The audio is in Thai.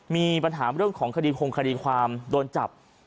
มีปัญหาเรื่องของคดีคงคดีความโดนจับ